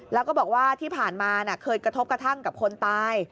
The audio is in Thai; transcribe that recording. แล้วก็บอกว่าที่ผ่านมาเคยกระทบกระทั่งกับคนตาย